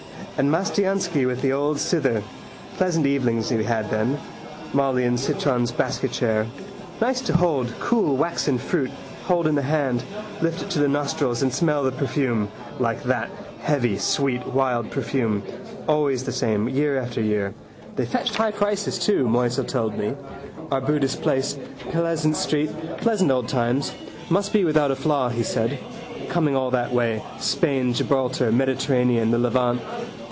And Mastiansky with the old cither. Pleasant evenings we had then. Molly in Citron's basketchair. Nice to hold, cool waxen fruit, hold in the hand, lift it to the nostrils and smell the perfume. Like that, heavy, sweet, wild perfume. Always the same, year after year. They fetched high prices too, Moisel told me. Arbutus place: Pleasants street: pleasant old times. Must be without a flaw, he said. Coming all that way: Spain, Gibraltar, Mediterranean, the Levant.